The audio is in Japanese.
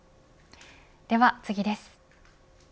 では次です。